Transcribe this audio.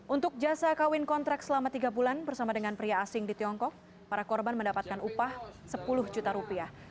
untuk jasa kawin kontrak selama tiga bulan bersama dengan pria asing di tiongkok para korban mendapatkan upah sepuluh juta rupiah